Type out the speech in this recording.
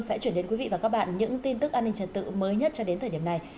sẽ chuyển đến quý vị và các bạn những tin tức an ninh trật tự mới nhất cho đến thời điểm này